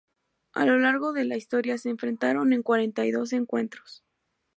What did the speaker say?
A lo largo de la historia se enfrentaron en cuarenta y dos encuentros.